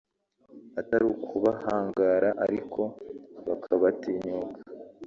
atari ukubahangara ariko bakabatinyuka